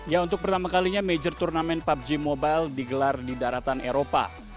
ya untuk pertama kalinya major turnamen pubg mobile digelar di daratan eropa